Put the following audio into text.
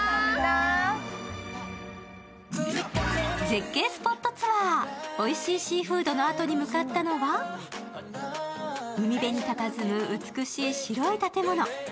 絶景スポットツアー、おいしいシーフードのあとに向かったのは海辺にたたずむ美しい白い建物。